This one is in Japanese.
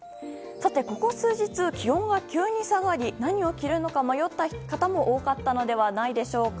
さて、ここ数日気温が急に下がり何を着るのか迷った人も多かったのではないでしょうか。